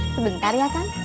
sebentar ya tan